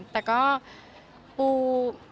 แต่ก็ปู